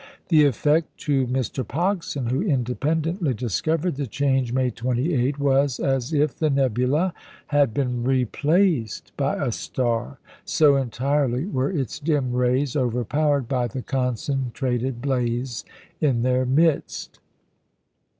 The effect to Mr. Pogson (who independently discovered the change, May 28) was as if the nebula had been replaced by a star, so entirely were its dim rays overpowered by the concentrated blaze in their midst.